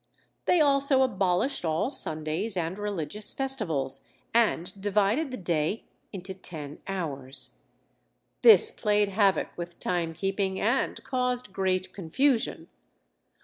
They also abolished all Sundays and religious festivals, and divided the day into ten hours. This played havoc with time keeping, and caused great confusion.